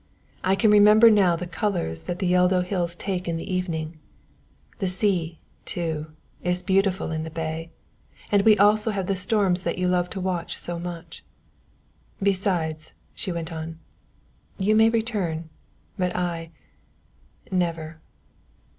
I can remember now the colours that the Yeldo hills take in the evening; the sea, too, is beautiful in the bay, and we also have the storms that you love to watch so much. "Besides," she went on, "you may return, but I never.